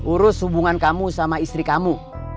urus hubungan kamu sama istri kamu